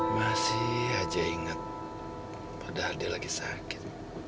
masih aja ingat padahal dia lagi sakit